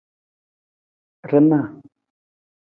Rana.